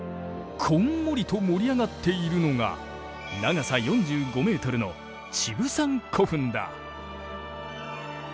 こんもりと盛り上がっているのが長さ４５メートルのチブサン古墳だ。